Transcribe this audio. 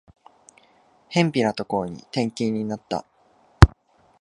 辺ぴなところに転勤になった